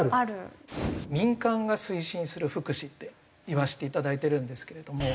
民間が推進する福祉って言わせていただいてるんですけれども。